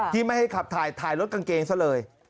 ไม่ให้ขับถ่ายรถกางเกงซะเลย